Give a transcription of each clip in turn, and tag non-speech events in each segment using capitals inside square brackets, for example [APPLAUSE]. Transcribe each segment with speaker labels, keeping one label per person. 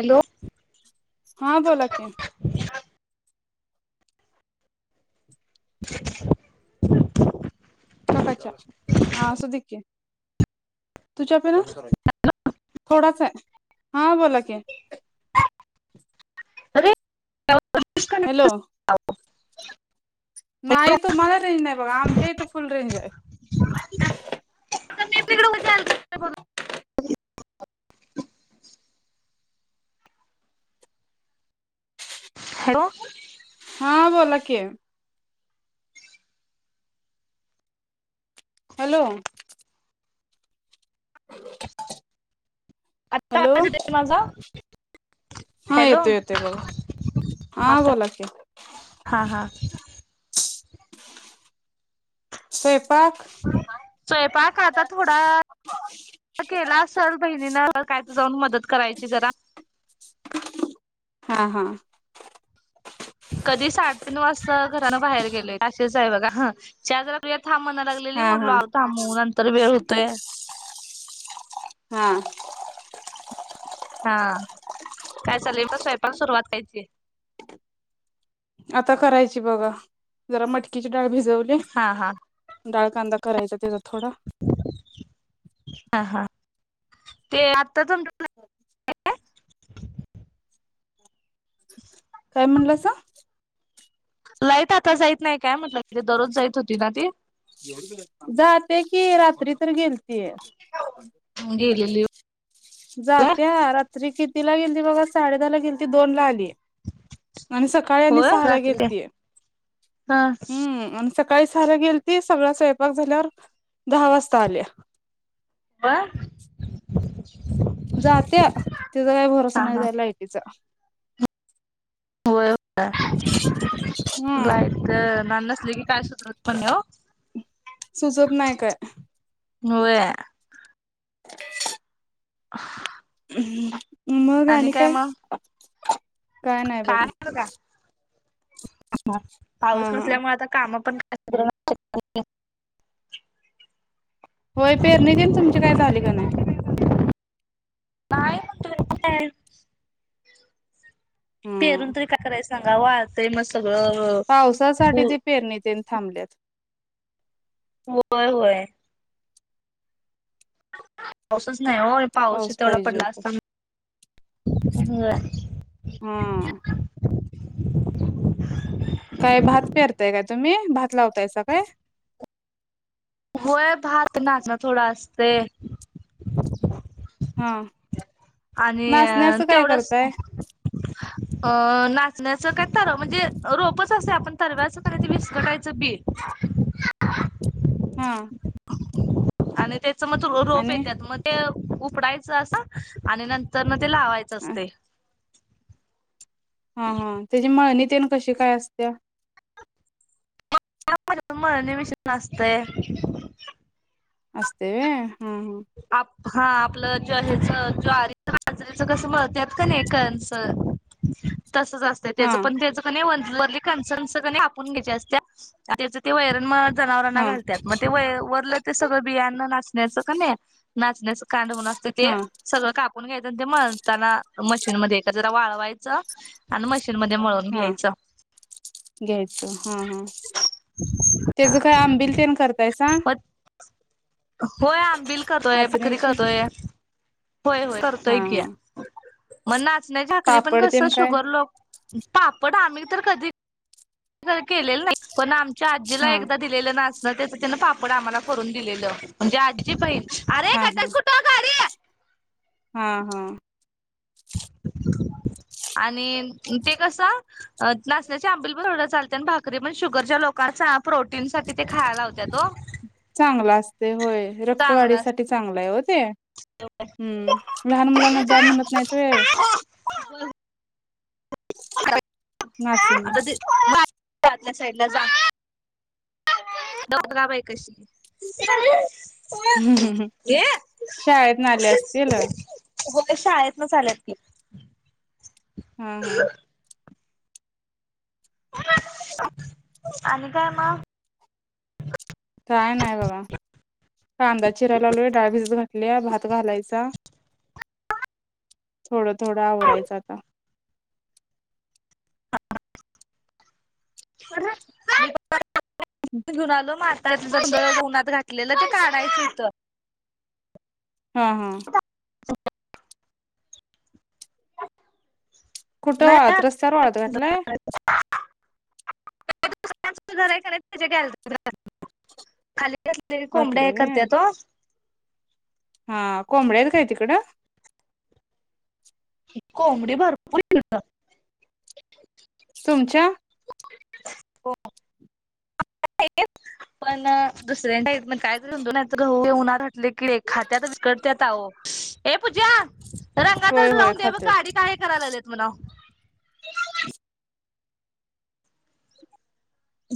Speaker 1: Hello
Speaker 2: हा बोला की
Speaker 1: [UNINTELLIGIBLE]
Speaker 2: काकाच्या हा सुधिके तुझ्या पन थोडाच आहे हा बोला की
Speaker 1: अरे
Speaker 2: हॅलो
Speaker 1: [UNINTELLIGIBLE]
Speaker 2: नाही तुम्हाला रेंज नाही बघा आमच्या इथ फुल रेंज आहे.
Speaker 1: [UNINTELLIGIBLE] हॅलो
Speaker 2: हां बोलाकी हॅलो [UNINTELLIGIBLE]
Speaker 1: आत्ता
Speaker 2: हॅलो
Speaker 1: आवाज येतो का माझा
Speaker 2: हा
Speaker 1: हॅलो
Speaker 2: येतोय येतोय बघा हा
Speaker 1: आता
Speaker 2: बोला की
Speaker 1: हा हा
Speaker 2: स्वयंपाक
Speaker 1: स्वयंपाक आता थोडा केला असेल बहिणीनं काय तर जाऊन मदत करायची जरा.
Speaker 2: हा हा
Speaker 1: कधी साडेतीन वाजता घरानं बाहेर गेलोय अशीच आहे बघा ह चहा जरा करूया थांब म्हणाय
Speaker 2: हा
Speaker 1: लागलेली
Speaker 2: हा
Speaker 1: म्हटलो थांबव नंतर वेळ होतोय.
Speaker 2: हा
Speaker 1: हा काय चाले बस स्वयंपाक सुरुवात कयची
Speaker 2: आता करायची बघा जरा मटकीची डाळ भिजवली
Speaker 1: हा हा
Speaker 2: डाळ कांदा करायचा त्याचा थोडा
Speaker 1: हा हा ते आताच
Speaker 2: हो काय म्हणलं अस
Speaker 1: लाईट आता जाईत नाही काय म्हटलं तिथे दररोज जायत होती ना ती
Speaker 2: जाते कि रात्री तर गेलतीय
Speaker 1: गेलेली
Speaker 2: जाते रात्री किती ला गेली त बघा साडे दहा ला गेली त दोन ला आली आणि सकाळी आणि
Speaker 1: होय
Speaker 2: सहाा
Speaker 1: रात्री
Speaker 2: गेलतीय
Speaker 1: हा
Speaker 2: हम्म आणि सका काही झालं गेल ते सगळ स्वयंपाक झाल्यावर दहा वाजता आल्या
Speaker 1: ब
Speaker 2: जात्या तिचा काही भरोसा
Speaker 1: हा
Speaker 2: नाही
Speaker 1: हा
Speaker 2: जाय लायटीचा
Speaker 1: होय
Speaker 2: हम्म
Speaker 1: लाईट नाही नसली की काय सुधरत पण नाही हो
Speaker 2: सुजब नाही काय
Speaker 1: होय ह
Speaker 2: मघ आणि काय नाही
Speaker 1: काय
Speaker 2: बघा
Speaker 1: ब का
Speaker 2: हा
Speaker 1: पाऊस
Speaker 2: हा
Speaker 1: नसल्यामुळे आता काम पण
Speaker 2: होय पेरणी देल तुमची काय झाली का नाही
Speaker 1: नाही मग तु पेरून
Speaker 2: हा
Speaker 1: तरी का करायचं सांगा आवाज ते मग सगळं
Speaker 2: पावसासाठी ते पेरणी तेन थांबलेत
Speaker 1: होय होय. पाऊसच नाही हो पाऊस तेवढा
Speaker 2: पाहिजे
Speaker 1: पडला
Speaker 2: होता
Speaker 1: असता..
Speaker 2: हा. काय भात पेरताय काय तुम्ही भात लावताय सा काय?
Speaker 1: होय भात नाचण थोडा असते.
Speaker 2: हा
Speaker 1: आणि
Speaker 2: नाचण्याचं काय करताय?
Speaker 1: अं नाचण्याचं काय तरव म्हणजे रोपच असे आपण तरव्याचं नाही ते विसरकायचं बी
Speaker 2: हा.
Speaker 1: आणि त्याच मग रोप
Speaker 2: आणि
Speaker 1: येतेात मग ते उकडायचं असं आणि नर. तर ना ते लावायचं असते.
Speaker 2: हा हा त्याची मळनी तेन कशी काय असत्या?
Speaker 1: तुम्हाला निमष ना असत.
Speaker 2: असस्तेव हा ह
Speaker 1: हा आपलं ज हच ज्वारी बाजरीच कसं मत का नाहीकनच तसं तसं
Speaker 2: हा
Speaker 1: त्याच पण
Speaker 2: हा
Speaker 1: त्याच क वर क क कााून घ्यायचे असत्या त्याच ते वैरन जनावरांना
Speaker 2: हा हा
Speaker 1: घालतात मग ते व वरलं ते सगळं बियाणं नाचण्याचं का नाही नाचण्याच कांड म्हण असत ते
Speaker 2: हा
Speaker 1: सगळं कापून घ्यायचं ते मळताना मशीनमध्येध्ये एकच वाळवायचं आणि मशीन मध्ये म्हळून घ्यायच.
Speaker 2: गयतो हा हा. त्याचं काय आंबिल तेल करतायस.
Speaker 1: मग होय आंबिल करतोय भाकरी
Speaker 2: नाचण्याची
Speaker 1: करतोय होय होय
Speaker 2: हा
Speaker 1: करतोय घीया
Speaker 2: हा
Speaker 1: मग नाचण्या भाकरी पण
Speaker 2: पापड
Speaker 1: कस
Speaker 2: तेन काय
Speaker 1: शुगर लोक पापड आम्ही तर कधी केलेला नाही पण आमच्या आजीला
Speaker 2: हा
Speaker 1: एक दिलेला नाचणीचे पापड आम्हाला भरून दिलेला म्हणजे आजीचं बहीण
Speaker 2: हा हा
Speaker 1: गटात कुठं गाडी
Speaker 2: हा हा
Speaker 1: आणि ते कसं नाचण्याचे आंबिल पण एवडं चालते आणि भाकरी पण शुगरच्या लोकांचा प्रोटीन साठी ते खायला लावत्या तो
Speaker 2: चांगला असते होय रक्तवाढी
Speaker 1: असत
Speaker 2: साठी चांगलं आहे हो ते हम्म लहान मुलांना द्या म्हणत नाहीत रे
Speaker 1: हो
Speaker 2: नाचणी
Speaker 1: जा साईड ला जा दौदलाबाई कशी घे
Speaker 2: शाळेतनं आले असतील हा
Speaker 1: हो शाळेत न चाल्यात की
Speaker 2: हा हा
Speaker 1: आणि काय मग?
Speaker 2: काय नाही बाबा. कांदा चिरा लावलोया डाळबीज घातल्या भात घालायचा. थोडं थोडं आवरायचं आता.
Speaker 1: जुलो मार त्याच जर उन्हात घातलेलं ते काढायचं होतं.
Speaker 2: हा हा कुठं वाळत रस्त्यावर वाळत घातलाय
Speaker 1: नाही आमचं घर आहे का नाही त्याच्या गॅलरी खाली असले कोंबड्या
Speaker 2: घातलंय
Speaker 1: हे
Speaker 2: व्हय
Speaker 1: करते तो
Speaker 2: हा कोंबड आहेत का कायती
Speaker 1: कोंबडी भरपूर आहे तिथं
Speaker 2: तुमच्या हा
Speaker 1: पण दुसऱ्यांच्या इतना गहू उन्हात घातलं की खाद्यात निकालते तो
Speaker 2: [INAUDIBLE]
Speaker 1: रंगातच
Speaker 2: होय
Speaker 1: लावून दे ब
Speaker 2: खात्यात
Speaker 1: गाडीत का आहे करायला लागलेत म्हणा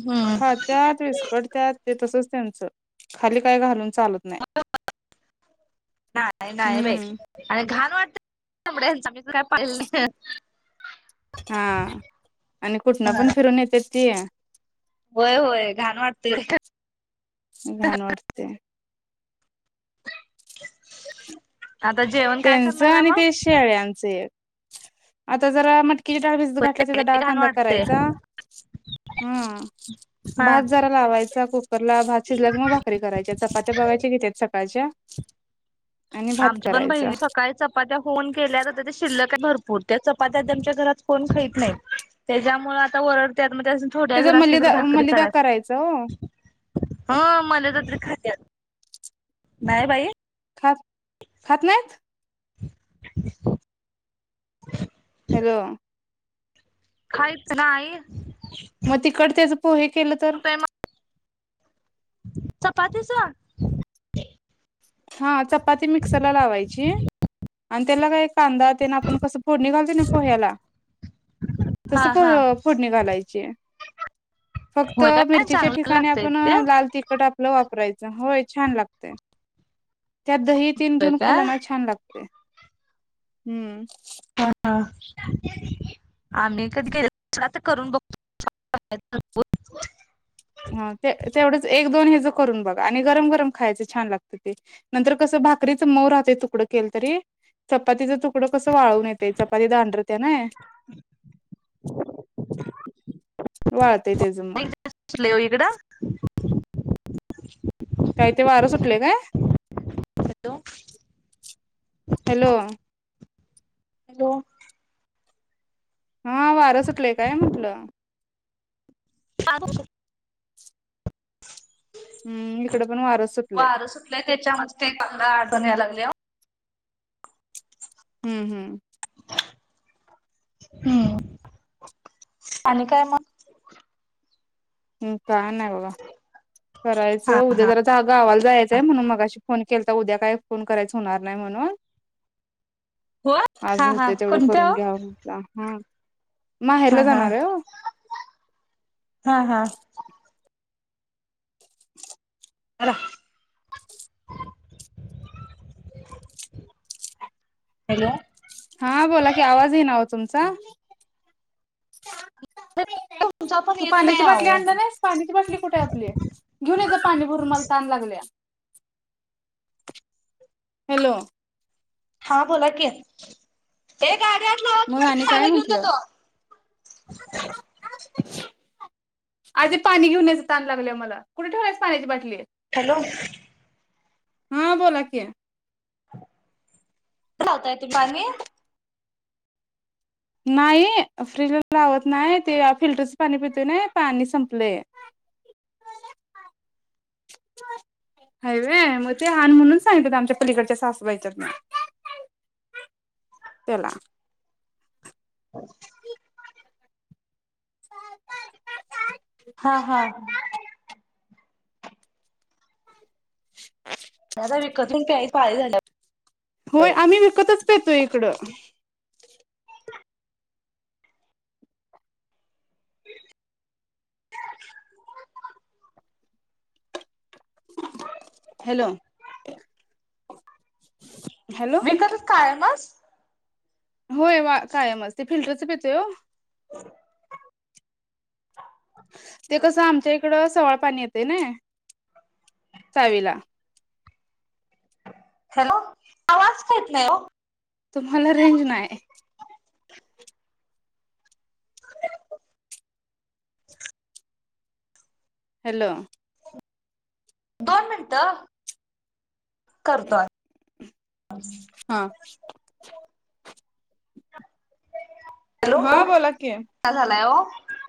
Speaker 1: हम्
Speaker 2: त्यात विस्कट त्यात ते तसच त्यांचं खाली काही घालून चालत नाही
Speaker 1: नाही नाही
Speaker 2: हम्म
Speaker 1: आणि घाण वाटत म काय पाहिलं नाही
Speaker 2: हा आणि कुठनं पण
Speaker 1: नाही.
Speaker 2: फिरून येतेत ती
Speaker 1: होय होय घाण वाटतय
Speaker 2: घाण वाटते
Speaker 1: आता जेवण काय करणार आ मग
Speaker 2: शेळ्यांचे आता जरा किती डाळ भिजत घाातला त्याचा
Speaker 1: लई
Speaker 2: डाळ
Speaker 1: घाण
Speaker 2: कांदा
Speaker 1: वाटते.
Speaker 2: करायचा हा
Speaker 1: हा
Speaker 2: भात जरा लावायचा कुकरला भात शिजला की मग भाकरी करायच्या चपात्या बघायच्या किती आहेत सकाळच्या आणि भात
Speaker 1: आमच्या पण
Speaker 2: करायचा
Speaker 1: बहिणी सकाळीच चपात्या होऊन केल्या हो ते शिल्लक आहे भरपूर त्या चपात्यामच्या घरात कोण खात नाही त्याच्यामुळ आता वरड त्यातमध्ये थोड्या
Speaker 2: त्याचा
Speaker 1: जण असल्या
Speaker 2: मलिदा
Speaker 1: तर भाकरी
Speaker 2: मलिदा
Speaker 1: करा
Speaker 2: करायचा हो
Speaker 1: हा मनतात्रे खाात्या नाहीय बाई
Speaker 2: खात खात नाही
Speaker 1: [INAUDIBLE]
Speaker 2: हॅलो
Speaker 1: काहीच नाही
Speaker 2: मग तिकडचेच पोहे केलं तर?
Speaker 1: चपाती.
Speaker 2: हा चपाती मिक्सरला लावायची आणि त्याला काय कांदा. त्यां आपण कसं पोडणी घालते ना पोह्याला तसं
Speaker 1: हा हा
Speaker 2: पोडणी घालायची. फक्त
Speaker 1: होय काय
Speaker 2: मिरचीच्या
Speaker 1: चांगलं
Speaker 2: ठिकाणी
Speaker 1: लागतय
Speaker 2: आपण
Speaker 1: ते
Speaker 2: लाल तिखट आप आपलं वापरायचं होय छान लागत. त्यात दही तन
Speaker 1: होय
Speaker 2: घेऊन
Speaker 1: काय
Speaker 2: खालना छान लागते हम्म.
Speaker 1: ह आम्ही कधी गेल तर करून बघतो. [INAUDIBLE]
Speaker 2: हा ते तेवढंच एक दोन हेज करून बघा आणि गरम गरम खायचं छान लागत ते नंतर कसं भाकरीच मऊ राहतय तुकडं केलं तरी. चपातीच तुकडं कसं वाळवून येते चपाती दांडरते ना
Speaker 1: [INAUDIBLE]
Speaker 2: वाळतय त्याज
Speaker 1: नाही इकड
Speaker 2: काय ते वारं सुटले काय हॅलो
Speaker 1: हॅलो
Speaker 2: हा वारं सुटलंय काय म्हंटलं?
Speaker 1: [INAUDIBLE]
Speaker 2: हम् इकडे पण वारं सुटलंय.
Speaker 1: त्याच्या मस्ते आडचणी यारीला लागले.
Speaker 2: हम्म हम्म!
Speaker 1: हम्म आणि काय मग?
Speaker 2: ह काय नाही बघा करायचं उद्या जराचा गावाला जायचंय म्हणून मगाशी फोन केलतं उद्या काय फोन करायच होणार नाही म्हणून.
Speaker 1: हो
Speaker 2: आज
Speaker 1: हा हा
Speaker 2: होतय तेवढं
Speaker 1: कोणत्या
Speaker 2: करून
Speaker 1: ओ
Speaker 2: घ्या म्हटला हा.
Speaker 1: हा
Speaker 2: माहेरला
Speaker 1: हा
Speaker 2: जाणार आहे ओ
Speaker 1: हा हा! ह [UNINTELLIGIBLE] हॅलो!
Speaker 2: हा बोला की आवाज येई ना ओ तुमचा.
Speaker 1: तुमचा पण
Speaker 2: तु
Speaker 1: येत
Speaker 2: पाण्याची
Speaker 1: नाही
Speaker 2: बाटली
Speaker 1: आहो
Speaker 2: आणला नाहीस? पाण्याची बाटली कुठे हाय आपली? घेऊन ये पाणी भरून मला तहान लागल्या. हॅलो!
Speaker 1: हा बोला की ते काय काय.
Speaker 2: मग आणि काय म्हंटलं? आधी पाणी घेऊन ये जा तहान लागल्या मला कुठे ठेवलायस पाण्याची बाटली?
Speaker 1: हॅलो!
Speaker 2: हा बोला कि.
Speaker 1: कस लावताय ते पाणी.
Speaker 2: नाही फ्रीजला लावत नाही ते फिल्टरच पाणी पितोय नाही पाणी संपलंय. हाय वे मग ते आण म्हणून सांगितल होत आमच्या पलीकडच्या सासूबाईच्यातून. त्यला!
Speaker 1: [UNINTELLIGIBLE]
Speaker 2: [INAUDIBLE]
Speaker 1: हा हा! ते आता विकत घेऊन प्याची पाळी झाल्या.
Speaker 2: होय आम्ही विकतच पेतोय इकडं.
Speaker 1: [INAUDIBLE]
Speaker 2: Hello hello!
Speaker 1: कायमच.
Speaker 2: होय वा कायमच ते फिल्टरच पेतोय ओ.
Speaker 1: ह [UNINTELLIGIBLE]
Speaker 2: ते कसं आमच्या इकड सवाळ पाणी येतंय नाही चावीला.
Speaker 1: हॅलो आवाज का येत नाही ओ?
Speaker 2: तुम्हाला रेंज नाय.
Speaker 1: [UNINTELLIGIBLE]
Speaker 2: हॅलो!
Speaker 1: दोन मिनटं करतोय!
Speaker 2: हा!
Speaker 1: हॅलो
Speaker 2: हा बोला की
Speaker 1: चहा झालाय ओ.